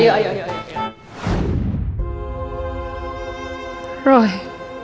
jadul mama doang